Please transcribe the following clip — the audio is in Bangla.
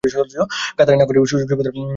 কাতারের নাগরিক সুযোগ সুবিধার মান খুবই উন্নত।